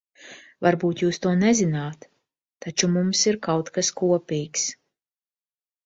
Varbūt jūs to nezināt, taču mums ir kaut kas kopīgs.